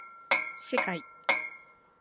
せかい